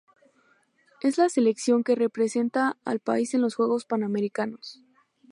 Es la selección que representa al país en los Juegos Panamericanos.